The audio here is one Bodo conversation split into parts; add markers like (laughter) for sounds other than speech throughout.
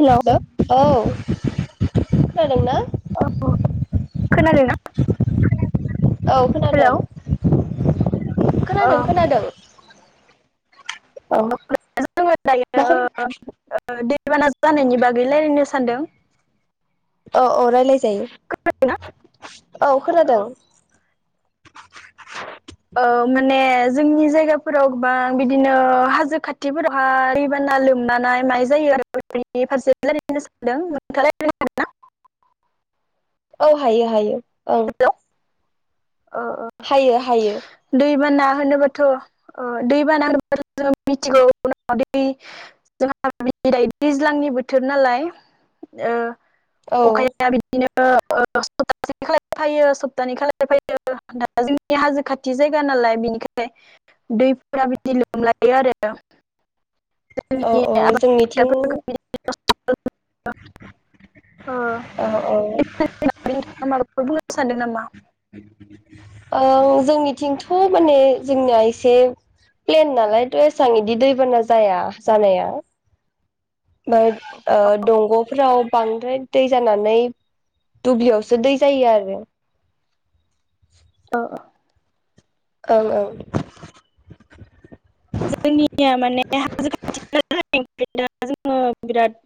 हेल' औ खोनादोंना औ खोनादों ना खोनादोना औ खोनादों औ खोनादों-खोनादों (unintelligible) जोङो दायो मा ओ दैबाना जानायनि बागै लायरायनो सानदों औ-औ रायलाय जायो ना औ खोनादों ओ माने जोंनि जायगाफोराव गोबां बिदिनो हाजो खाथिफोरावहाय दैबाना लोमलानाय माइ जायो आरोनि फारसे रायलायनो सानदों नोंथाङा रायलायनो हागोन ना औ हायो हायो औ ओ हायो हायो दैबाना होनोबाथ ओ दैबाना होनोब्ला जों मिथिगौ उन दै जोंहा बिद दैज्लांनि बोथोर नालाय ओ औ अखाया बिदिनो ओ-ओ सप्तासे खालाय फायो सप्तानै खालाय फायो दा जों हाजो खाथि जायगा नालाय बिनिखाय दैफोरा बिदि लोमलायो आरो जोंनि औ-औ जोंनिथिं औ औ अ (unintelligible) सानदों नामा ओं जोंनिथिंथ' माने जोंनिया एसे प्लेन नालायथ एसबां इदि दैबाना जाया जानाया (inaudible) दंगफ्राव बांद्राय दै जानानै दुब्लियावसो दै जायो आरो ओ ओं ओं जोंनिया माने (unintelligible) जोङो बिराद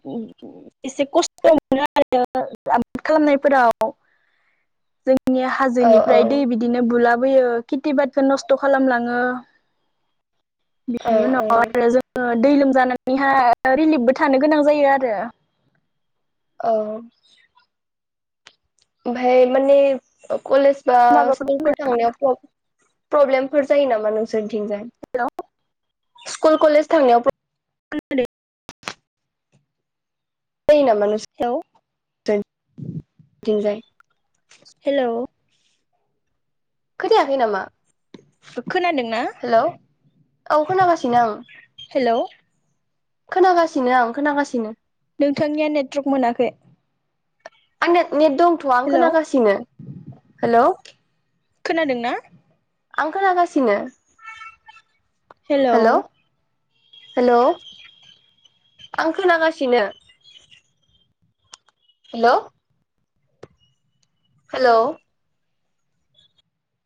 एसे खस्थ मोनो आरो आबाद खालामनायफोराव जों नि औ हाजोनिफ्राय दै बिदिनो बुलाब बोयो खिथि बादखौ नस्थ खालामलाङो बिनि औ उनाव आरो औ जोङो दै लोमजानानैहा रिलिफबो थानो गोनां जायो आरो औ ओमफाय माने कलेज बा माबाफोर स्कुलफोर थांनायाव प्र-प्रब्लेमफोर जायो नामा नोंसोरथिंजाय स्कुल कलेज थांनायाव (unintelligible) प्रब्लेम जायो नामा नों हेलौ हेलौ खोनायाखै नामा? खोनादों ना। हेलौ औ खोनागासिनो आं। हेलौ खोनागासिनो आं खोनागासिनो। नोंथांनिया नेटवर्क मोनाखै। आंनिया नेट दंथ आं हेलौ खोनागासिनो हेलौ खोनादोंना आं खोनागासिनो। हेलौ हेलौ आं खोनागासिनो। Hello hello